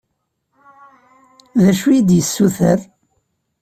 D acu i yi-d-yessuter?